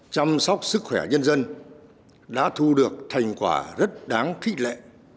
chăm sóc sức khỏe nhân dân đã thu được thành quả rất đáng khích lệ